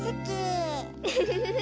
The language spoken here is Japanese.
ウフフフフ！